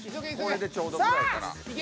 これでちょうどぐらいかな。